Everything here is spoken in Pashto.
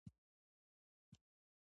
د خلکو تقاتضا ورځ په ورځ تغير کوي